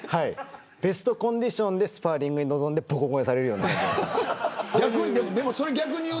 ベストコンディションでスパーリングに臨んでぼこぼこにされるようになるという。